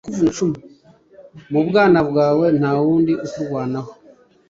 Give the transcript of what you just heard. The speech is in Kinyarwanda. mu bwana bwawe nta wundi ukurwanaho